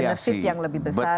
benefit yang lebih besar